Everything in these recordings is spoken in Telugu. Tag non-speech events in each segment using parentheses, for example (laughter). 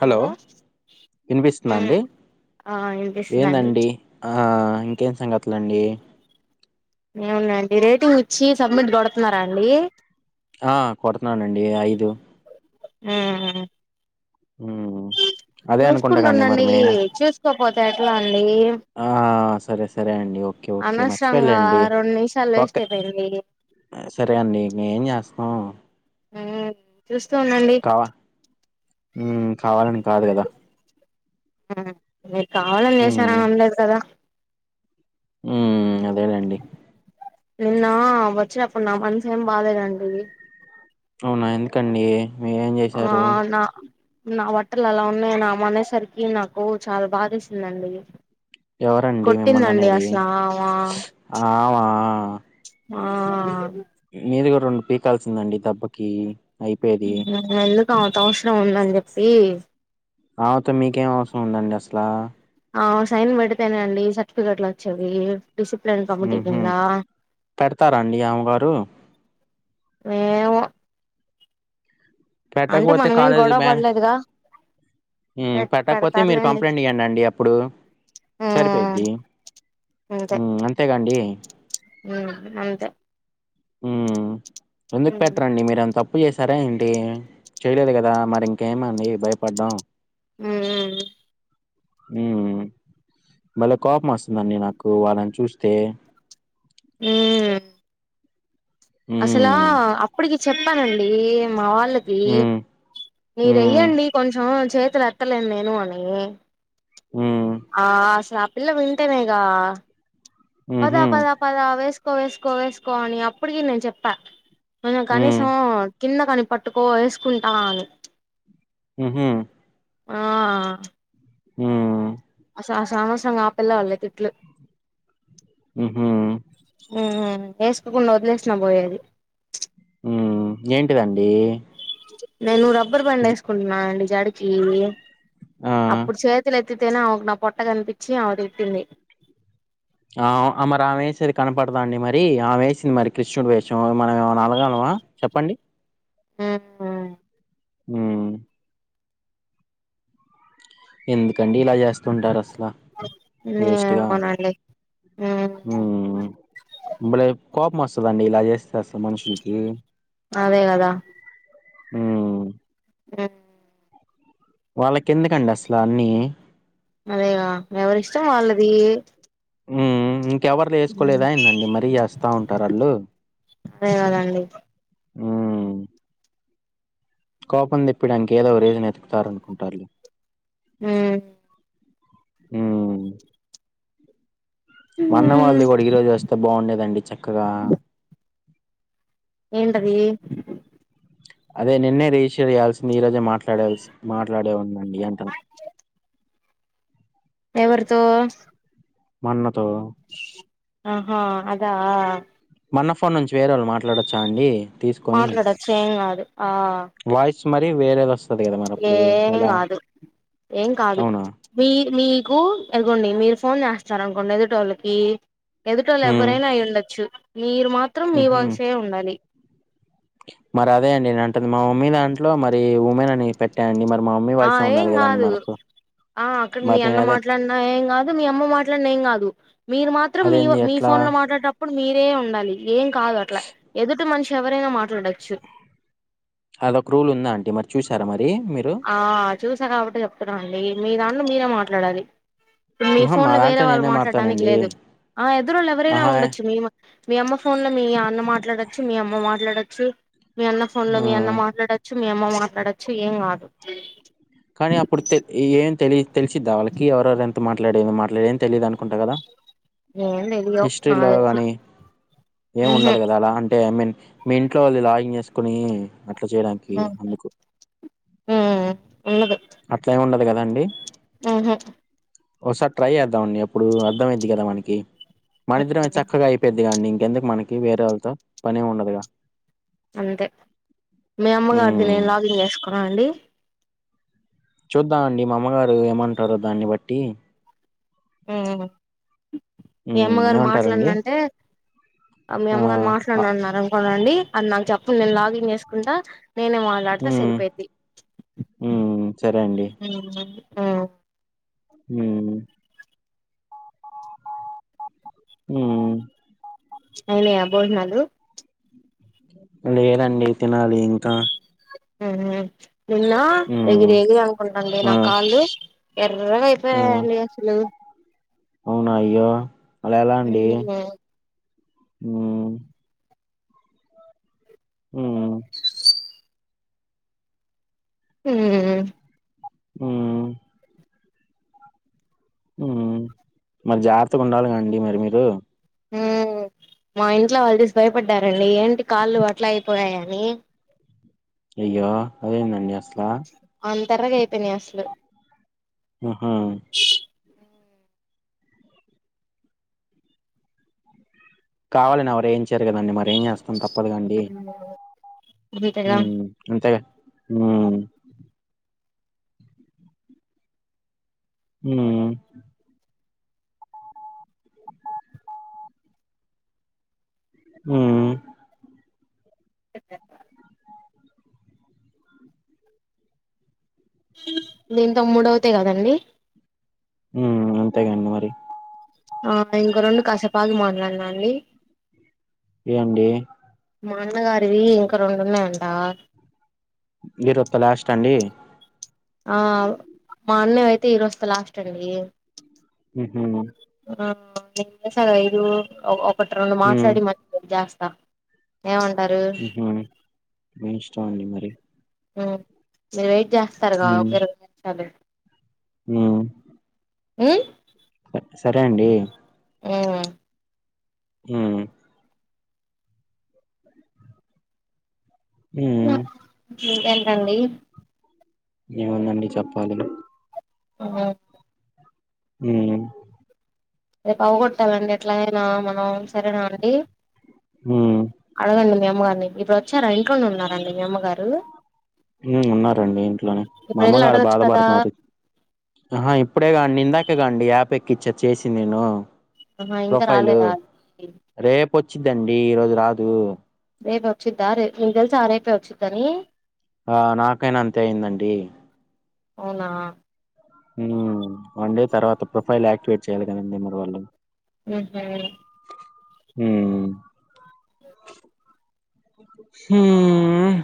హలో వినిపిస్తుంద అండి ఆ వినిపిస్తుందండి ఏందండి ఆ ఇంకేం సంగతులండి ఏమున్నాండి రేటింగ్ ఇచ్చి సబ్మిట్ కొడుతున్నారా అండి ఆ కొడుతున్నానండి ఐదు హు హు మ్మ్ అదే అనుకుంటాకండి మరి చూసుకుంటుండండి మెయిన్ చూసుకోపోతే ఎట్లా అండి ఆ సరే సరే అండి ఓ కే ఓకే అనవసరంగా మర్చిపోయాలెండి రెండు నిమిషాలు ఓకే వేస్ట్ అయిపోయింది సరే అండి నే ఏం చేస్ హ హు కావ హు కావాలని కాదు కదా హు మీ కావాలని చెసారని అని అనలేదు కదా మ్ మ్ అదేలెండి నిన్న వచ్చినప్పుడు నా మనసు ఏం బాలేదండి అవునా ఎందుకండి మీరేం ఆ చేశారు నా నా బట్టలు అలా ఉన్నాయి నా మా అనేసరికి నాకు చాలా బాధ ఎసిందండి ఎవరండి మిమ్మల్ని అనేది ఆమ ఆమా ఆ మీరు గూడా రెండు పీకాల్సిందండి దెబ్బకి అయిపోయేది ఎందుక్ ఆమెతో అవసరం ఉందని చెప్పి ఆమెతో మీకేం అవసరం ఉందండి అసలా ఆమే సైన్ పెడితేనే అండి సర్టిఫికేట్లు వచ్చేవి డిసిప్లిన్ కమిటీ మ్ హు కింద పెడతారా అండి ఆమే గారు ఏమో అంటే పెట్టకపోతే మనమేం కాలేజీ గొడవ బ్యా పడలేదుగా హు పె పెట్టకపోతే మీరు పెడతారులేండి కంప్లైంట్ ఇయ్యండండి అప్పుడు ఉమ్ సరిపోయిద్ది అంతేగాండి ఉ అంతే ఉ ఎందుకు ఉమ్ పెట్టరండి మీరంత ప్పు చేసారా ఏంటి చెయలేదు కదా మరి ఇంకేమండి భయపడ్డం మ్ మ్ ఉ మళ్ళా కోపం వస్తుందండి నాకు వాళ్ళని చూస్తే మ్ అసలా ఉమ్ అప్పటికి చెప్పానండి మా వాళ్ళకి ఉమ్ ఉమ్ మీరేయ్యండి కొంచెం చేతుల ఎత్తలేన్ నేను అనీ హ్మ్ ఆ అసలు ఆ పిల్ల వింటేనేగా పదా ఉహు పదా పద వేస్ వెస్కొ వెస్కొ వెస్కొ అని అప్పటికి నేను చెప్పా కొంచెం ఉమ్ కనీసం కింద కని పట్టుకో వేసుకుంటా అని హ ఆ హ సామాసం కాపెల్లా వెళ్ళ కిట్లు ఉహ్మ ఉహ్మ వేసుకోకుండ వదిలేసిన పోయేది హ్మ్ ఏంటిదండి నేను రబ్ ఇబ్బరు పం జు వేసుకుంటున్నా అండి జడికి ఆ అప్పుడు చేతులు ఎత్తితేనే ఆకు నా పొట్ట కనిపించి ఆవిటిప్పింది ఆ మరి ఆమె వేసేది కనపడదా అండి మరి ఆమె వేసింది మరి కృష్ణుడు వేషాం మనం ఏమైనా అలగాలవా చెప్పండి ఆ హ ఎందుకండి ఇలా చేస్తుంటారు అసలు నే స్ట్గాలే అవునండి కోపమాసం వస్తుందండి ఇలా చేస్తేసలు మనుషులకి అదే కదా హ ఆ వాళ్ళక ఎందుకండి అసలు అన్నీ అదేగా ఎవరిష్టం వాళ్ళది ఉ కవర్లు వేసుకోలేదా ఏందండి మరీ వేస్తా ఉంటారు వాళ్ళు అదే కదండి ఆ కోపం తిప్పిడాంకేదో రేజని వెతుకుతారనుకుంటారు ఆ హ్మ్ మన్న వాళ్ళది కూడ ఈ రోజే వస్తే బాగుండేదండి చక్కగా ఏంటది అదే నిన్నే రిజిస్టర్ చేయాల్సింది ఈ రోజే మాట్లాడాల్సి మాట్లాడే ఉన్న అండి అంటన ఎవరితో మన్నన్నతో ఆహా అదా మన ఫోన్ నుంచి వేరే వాళ్ళు మాట్లాడొచ్చా అండి తీసుకొని మాట్లాడచ్చం కాదు ఆ వాయిస్ మరి వేరే వ ఏం కాదు ఏం కాదు అవునా మీ మీకు ఎదగోండి మీరు ఫోన్ చేస్తార అనుకోండి ఎదుటోళ్ళకి ఎదుటోలు ఎవరైనా అయి ఉండొచ్చు మీరు మాత్రం హు మీ హుమ్ వాయిసే ఉండాలి మరి అదే అండి న అంటుంది మా మమ్మీ దాంట్లో మరి మ ఉమెన్ అని పెట్టాయంండి మరి మా మమ్మీ ఆ వాయిసే ఏం ఉండాలి కదండి కాదు మరి అప్పుడు ఆ అక్కడ మీ మరి నేను అన్న అదే మాట్లాడిన ఏం కాదు మీ అమ్మ మాట్లాడిన ఏం కాదు మీరు మాత్రం మీ అదేంది మీ ఎట్లా ఫోన్ లో మాట్లాడ ఇప్పుడు మీరే ఉండాలి ఏం కాదు అట్లా ఎదుటి మనిషి ఎవరైనా మాట్లా అడచ్చు అదొ క్రూల్ ఉందా అంట మ ఆ చూసా కాబట్టి చెప్తున్నా అండి మీ దాంట్లో మీరే మాట్లాడాలి మీ ఆహా ఫోన్ మా లో వేరే దాంట్లో వాళ్ళు నేనే మాట్లాడటానికి మారుతానండి లేదు ఆ ఎద్దరుళు ఎవరైనా ఆహా ఉండొచ్చు మము మీ అమ్మ ఫోన్ లో మీ అన్న మాట్లాడొచ్చు మీ అమ్మ మాట్లాడొచ్చు మీ అన్న ఫోన్ లో మీ అన్న ఆ మాట్లాడచ్చు మి అమ్మ అడచు ఏం కాదు కానీ అప్పుడు ఏం తెలి తెలిసిద్దా వాళ్ళకి ఎవరెవరుెంత మాట్లాడే మాట్లాడేం తెలియదు అనుకుంటా కదా ఏం తెలియవు హిస్టరీలో నాకు గానీ ఏం తెలిసి ఉండదు కదా అలా అంటే ఐ మీన్ మీ ఇంట్లో వాళ్ళు లాగింగ్ చేసుకుొని అట్లా చేయడానికి ఉహు అందుకు ఉమ్ అట్లా ఉండ అ కద అండి ఆహా సార్ ట్రాై చెధమ్ అండి ఇప్పుడు అర్థంమయిద్ది కదా మనకి మన ఇద్దరం చక్కగా అయిపో ఇది అండి ఇంకెందుకు మనకి వేరే వాళ్ళతో పని ఉండదుగా అంతే మీ అమ్మగారిది హ్మ్ నేను లాగిన్ చేసుకున్నా అండి చూద్దాం అండి మా అమ్మగారు ఏమంటారో దాన్ని బట్టి ఉ మీ హ్మ్ అమ్మగారు మాట్లాడను ఏమంటారండి అంటే మీ ఆ అమ్మగారు ఆ! మాట్లాడనన్నారు అనుకో అలా ది అది నాకు చెప్పండి నేను లాగిన్ చేసుకుంటా నేను మాట్లాడత హ్మ్ సరిపోయిది హ్మ్ సరే అండి ఉ ఉ ఉ ఉ అయినాయా భోజనాలు లేదండి తినాలి ఇంకా ఉహు నిన్న ఉమ్ ఎగిరేగిర అనుకుంటుండి ఆ నా కాళ్ళు ఏమో అయిపోయాయి అండి అసలు అవున అయ్యో అలా ఎలా అండి ఉ ఉ ఊ ఉ ఉ మరి జాగ్రత్తగా ఉండాలి కదండీ మరి మీరు ఉ మా ఇంట్లో వాళ్ళు చేసి భయపడ్డారండి ఏంటి కాళ్ళు అట్లా అయిపోయాయని అయ్యో అదేందండి అస్లా అంతరగా అయిపోయినాయి అసలు ఆహా కావాలని ఎవరు ఏం చేరు కద మర ఏం చేస్తాం తప్ ఉ ఉ అంతేగా ఉ ఉ ఉ ఎట్టట్ట దీంతో మూడవుతాయి కదండి ఉ అంతేగండి మరి ఆ ఇంక రెండు కాసేపు ఆగి మాట్లాడన అండి ఏంది మాన్నగారివి ఇంకా రెండున్నాయి అంట ఈరోజుతో లాస్ట్ అండి ఆ మా అన్న అయితే ఈరోజుతో లాస్ట్ అండి ఉహు ఆ (unintelligible) ఒ రెండు మాట్లాడి మళ్లీ జేస్ ఆ ఉహు మీ ఇష్టమండి మరి ఉం సేవే చేస్తారు గా ఒకే ఇరవై నిమిషాలు ఉం ఉమ్మ్ సరే అండి ఉం ఉమ్ ఉమ్ (unintelligible) రండి ఏముందండి చెప్పాలి (unintelligible) ఉం అవ్వగొట్టాలండి ఎట్లా అయినా మనం సరేనా అండి ఉమ్ అడగం మీ అమ్మగారుని ఇప్పుడు వచ్చారా ఇంట్లోనే ఉన్నారండి మీ అమ్మగారు హ్మ్మ్ ఉన్నారండి ఇంట్లోనే మా ఇప్పుడు వెళ్ళి అమ్మగారు అడగచ్చు కదా బాధపడుతున్నారు ఆహా ఇప్పుడే కా అండీ ఇందాక ఇప్పుడే కండి యాపెక్కిచ్చా చేసి నేను ఆహా ఇంకా ప్రొఫైల్ రాలేదా రేపు వచ్చిద్దండి ఈరోజు రాదు. రేపు ఒచ్చింద నీకు తెల్సా రేపే ఒచ్చింది అని ఆ నాకైనా అంతే అయిందండి. అవునా వన్ డే తర్వాత ప్రొఫైల్ యాక్టివేట్ చేయాలి కదండి మరి వాళ్ళు ఉహూ మ్మ్ మ్మ్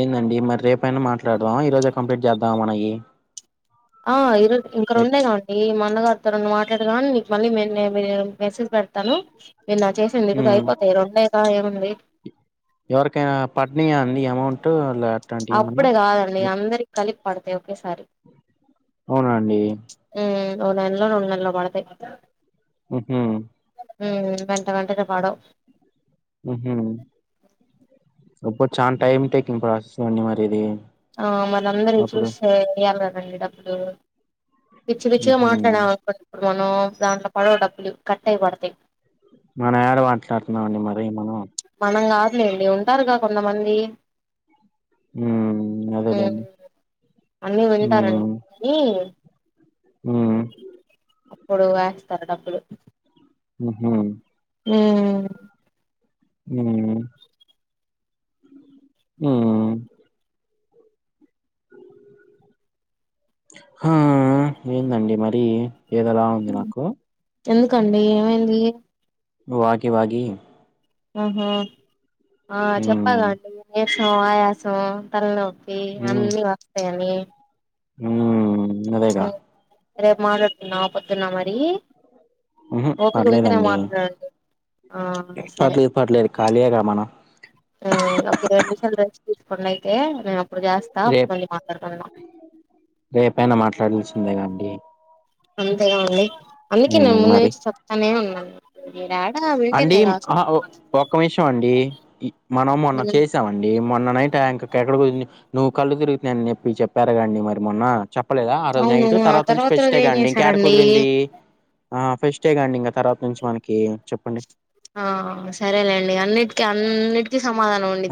ఏందండి మరి రేపనా మాట్లాడదాం ఈరోజే కంప్లీట్ చేద్దాంమా మనయి ఆ ఇ రో ఇంకా రొండో కాండి అన్నగారితో రొండు మాట్లాడగానే నీకు మళ్ళీ మీ మే మే మెసేజ్ పెడతాను. వి నా చేసింది ఇది ఉమ్ అయిపోతయి రొండేగా ఏముంది ఎవరికైనా పడ్నాయా అండి అమౌంట్ లా అప్పుడే కాదండి అందరికి కలిప్ పడతయి ఓకేసారి అవునా అండి ఉమ్ ఓ నెలలో రోన్నెల్లో పడతాయి ఉహుం హ్మ్మ్ వెంట వెంటనే పడవు ఉహుం ఉప్పుడ్ చానా టైం టేకింగ్ ప్రాసెస్ అండి మరి ఇది ఆ మన అందరి అప్పుడు చూసే అన్ని డబ్బులు పిచ్చి పిచ్చిగా ఉహు మాట్లాడ ఆమె తో మనం దాంట్లో పడవు డబ్బులు కట్ అయి పడతాయి మనం ఏడ మాట్లాడుతున్నామండి మరి మనం మనం కాదులేండి ఉంటారుగా కొంతమంది ఉమ్ అదేలేండి ఉమ్ అన్ని వింటారండి ఉమ్ కానీ ఉమ్ అప్పుడు వేస్తారు డబ్బులు హు హు ఉమ్ ఉమ్ మ్మ్ (inaudible) హా ఏందండి మరి ఏదోలా ఉంది నాకు ఎందుకండి ఏమైంది వాగి వాగి ఆహా ఆ ఉమ్ చెప్పాలండి నే ఆయాసం తల్ నో పి అన్ని వస్తాయని ఊమ్ రేరేపు మాట్లాడుకుందామ పౌ దున్నా మరి ఉ హు ఓపిక ఉంటేనే పర్లేదండి మాట్లాడండి ఆ పర్లేదు పర్లేదు ఖాళీయే గ మనం ఉమ్ ఒక ఇరవై నిమిషాలు రెస్ట తీసుకోండి అయితే అప్పుడు చేస్తా అప్పుడు రేపు మళ్ళీ మాట్లాడుకుందాం రేపయినా మాట్లాడాల్సిందే కానీ ఇ అంతేగా అండి అందుకే నే ముందు మరి నుంచి చెప్తానే ఉన్నాను మిర అండి అహ్ ఒక్క విషయం అండి మనం మొన్న చేసామండి మొన్న నైట్ ఎంకా కి ఎక్కడ కుదిరింది నువ్వు కళ్ళు తిరుగుతున్నాయి అని చెప్పి చెప్పారుగాండి మరి మొన్న చెప్పలేదా ఆ రోజు అవును నైట్ ఆ తర్వాత నుంచి ఫెస్ట్ రోజు టేగా ఏం అండి ఇంకాడ చేశారండి కుదిరింది ఆ ఫెస్ట్ టేగాండి ఇంకా తర్వాత నుంచి మనకి చెప్ అండీ ఆ సరేలేండి అన్నిటికీ అన్నిటి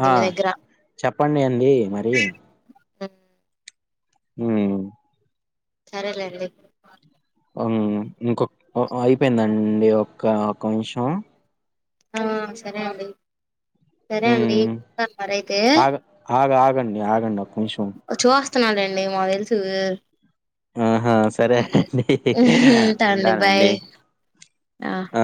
ఆ చెప్పండి అండి మరి అ ఉ సరేలేండి ఉమ్ ఇంకొక అయిపోయిందండి ఒక్క నిమిషం ఆ సరే అండి సరే అండి ఉమ్ ఉంటాను మరి అయితే ఆగ ఆగ ఆగండి ఆగండి ఒక్క నిమిషం చూన లెండి మాకు తెలుసు ఆ ఆ సరే అండి ఉంటా అండి బాయ్ ఉంటానండి ఆ